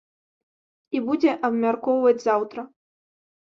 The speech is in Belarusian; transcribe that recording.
І будзе абмяркоўваць заўтра.